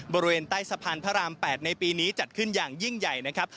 บริเวณใต้สะพานพระราม๘ในปีนี้จัดขึ้นอย่างยิ่งใหญ่นะครับ